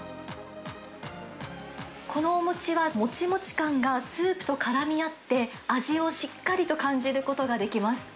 このお餅は、もちもち感がスープとからみ合って、味をしっかりと感じることができます。